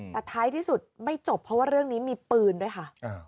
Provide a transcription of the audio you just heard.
แต่ท้ายที่สุดไม่จบเพราะว่าเรื่องนี้มีปืนด้วยค่ะ